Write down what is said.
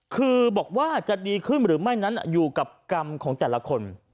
คือบอกว่าจะดีขึ้นหรือไม่นั้นอยู่กับกรรมของแต่ละคน